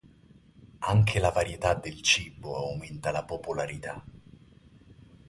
Anche la varietà del cibo aumenta la popolarità.